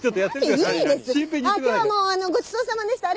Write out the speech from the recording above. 今日もうごちそうさまでした。